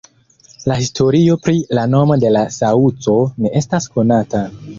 La historio pri la nomo de la saŭco ne estas konata.